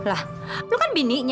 apaan sih ini